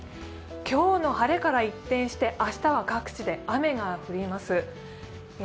今日の晴れから一転して、明日は各地で雨が降ります。